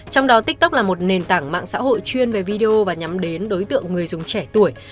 trong đó tiktok là một nền tảng mạng xã hội chuyên về video và nhắm đến đối tượng người dùng trẻ tuổi